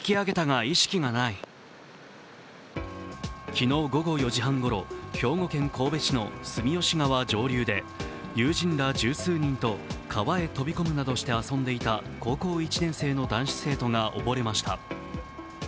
昨日午後４時半ごろ兵庫県神戸市の住吉川上流で友人ら十数人と川へ飛び込むなどして遊んでいた高校１年生の男子生徒が溺れました。